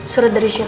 surat dari siapa mas